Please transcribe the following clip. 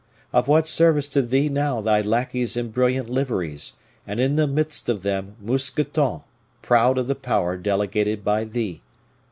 Of what service to thee now thy lackeys in brilliant liveries, and in the midst of them Mousqueton, proud of the power delegated by thee!